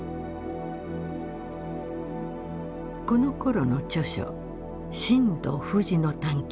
このころの著書「身土不二の探究」。